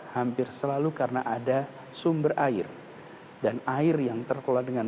hampir selalu karena ada sumber air dan air yang terkelola dengan